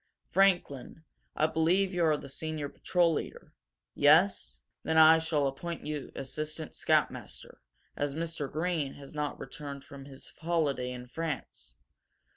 Franklin, I believe you are the senior patrol leader? Yes? Then I shall appoint you assistant scoutmaster, as Mr. Greene has not returned from his holiday in France.